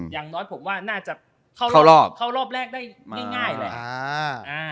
ดังนั้นผมว่าน่าจะเข้ารอบแรกได้ง่ายแหละ